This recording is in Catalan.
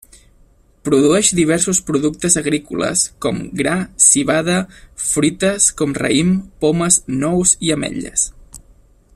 Produeix diversos productes agrícoles con gran, civada, fruites com raïms, pomes, nous, i ametlles.